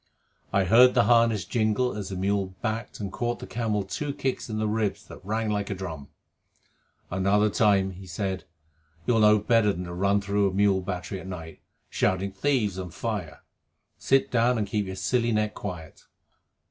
I heard the harness jingle as the mule backed and caught the camel two kicks in the ribs that rang like a drum. "Another time," he said, "you'll know better than to run through a mule battery at night, shouting `Thieves and fire!' Sit down, and keep your silly neck quiet."